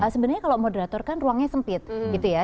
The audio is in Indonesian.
sebenarnya kalau moderator kan ruangnya sempit gitu ya